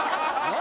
何？